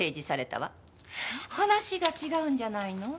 話が違うんじゃないの？